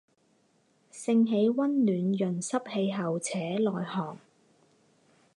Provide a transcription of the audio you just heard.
性喜温暖润湿气候且耐寒。